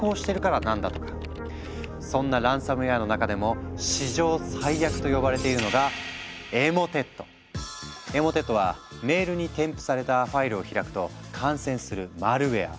そんなランサムウェアの中でも史上最悪と呼ばれているのがエモテットはメールに添付されたファイルを開くと感染するマルウェア。